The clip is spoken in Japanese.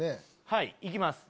はい行きます。